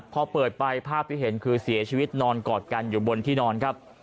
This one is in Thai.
พอเปิดไปภาพที่เห็นคือเสียชีวิตนอนกอดกันอยู่บนที่นอนครับ